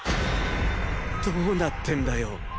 どうなってんだよ